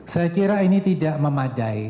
saya kira ini tidak memadai